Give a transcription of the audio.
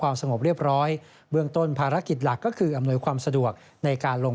สงบเรียบร้อยเบื้องต้นภารกิจหลักก็คืออำนวยความสะดวกในการลง